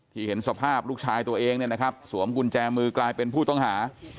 เห็นสภาพลูกชายตัวเองเนี่ยนะครับสวมกุญแจมือกลายเป็นผู้ต้องหา